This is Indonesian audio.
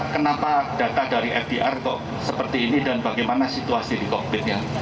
kenapa data dari fdr kok seperti ini dan bagaimana situasi di covid sembilan belas nya